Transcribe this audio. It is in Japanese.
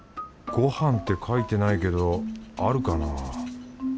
ごはんって書いてないけどあるかな？